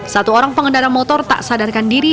satu orang pengendara motor tak sadarkan diri